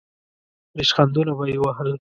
ریشخندونه به یې وهل.